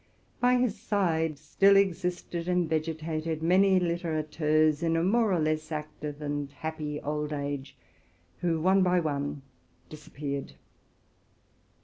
By his side still existed and vegetated many littérateurs, in a more or less active and happy old age, who one by one disappeared.